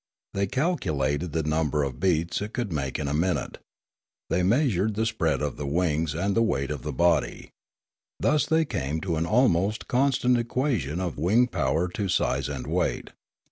They calculated the num ber of beats it could make in a minute. They measured the spread of the wings and the weight of the body. Thus they came to an almost constant equation of wing power to size and weight.